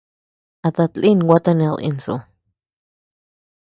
A tatlin gua taned insu.